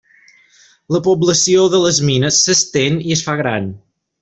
La població de les mines s'estén i es fa gran.